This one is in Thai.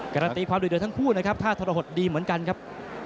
การันตีความดูเดือทั้งคู่นะครับท่าทรหดดีเหมือนกันครับ